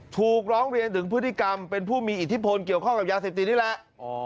ถูกร้องเรียนถึงพฤติกรรมเป็นผู้มีอิทธิพลเกี่ยวข้องกับยาเสพติดนี่แหละ